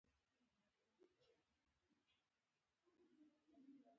آیا لومړی په مایع او بیا به په ګاز بدل شي؟